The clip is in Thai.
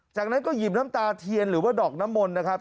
จากนั้นก็หยิบน้ำตาเทียนหรือว่าดอกน้ำมนต์นะครับ